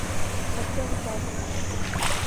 مسئلہ حساس ہے۔